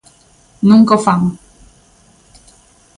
Nunca o fan.